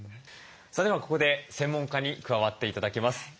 それではここで専門家に加わって頂きます。